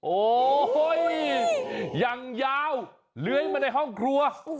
โอ้โหยังยาวเลื้อยมาในห้องครัว